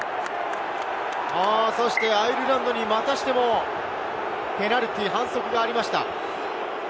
そしてアイルランドにまたしてもペナルティー、反則がありました。